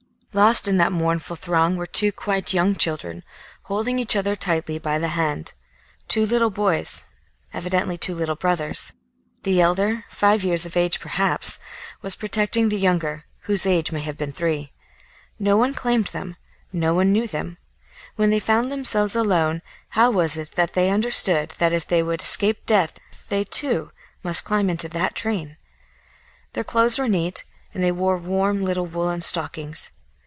Lost in that mournful throng were two quite young children, holding each other tightly by the hand, two little boys, evidently two little brothers. The elder, five years of age perhaps, was protecting the younger, whose age may have been three. No one claimed them; no one knew them. When they found themselves alone, how was it that they understood that if they would escape death they, too, must climb into that train? Their clothes were neat, and they wore warm little woollen stockings.